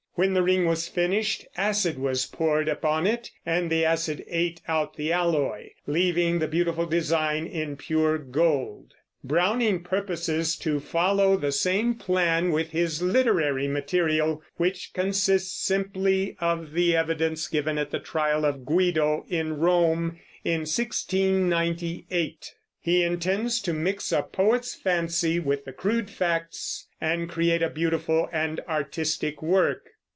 When the ring was finished, acid was poured upon it; and the acid ate out the alloy, leaving the beautiful design in pure gold. Browning purposes to follow the same plan with his literary material, which consists simply of the evidence given at the trial of Guido in Rome, in 1698. He intends to mix a poet's fancy with the crude facts, and create a beautiful and artistic work.